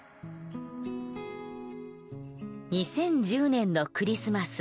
２０１０年のクリスマス。